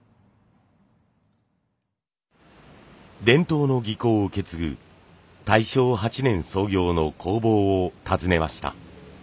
伝統の技巧を受け継ぐ大正８年創業の工房を訪ねました。